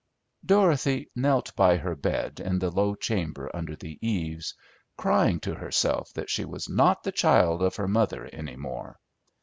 Dorothy knelt by her bed in the low chamber under the eaves, crying to herself that she was not the child of her mother any more.